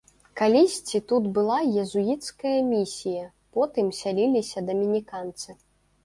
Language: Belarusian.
Калісьці тут была езуіцкая місія, потым сяліліся дамініканцы.